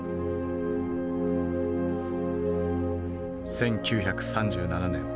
１９３７年。